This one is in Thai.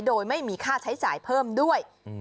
โดยไม่มีค่าใช้จ่ายเพิ่มด้วย